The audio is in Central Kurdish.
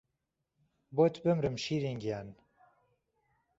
بۆت بمرم شیرین گیان